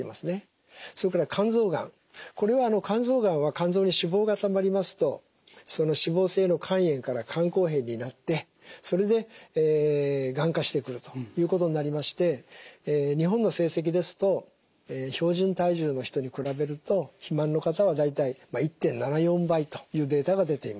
それから肝臓がんこれは肝臓がんは肝臓に脂肪がたまりますとその脂肪性の肝炎から肝硬変になってそれでがん化してくるということになりまして日本の成績ですと標準体重の人に比べると肥満の方は大体１．７４倍というデータが出ています。